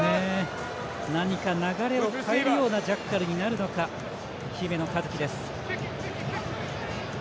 何か流れを変えるようなジャッカルになるのか姫野和樹です。